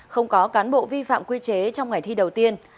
không có cán bộ vi phạm quy chế trong ngày thi đầu tiên